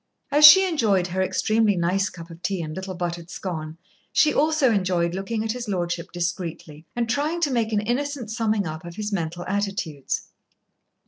As she enjoyed her extremely nice cup of tea and little buttered scone, she also enjoyed looking at his Lordship discreetly, and trying to make an innocent summing up of his mental attitudes.